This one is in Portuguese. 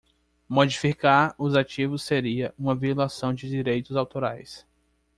Modificar os ativos seria uma violação de direitos autorais.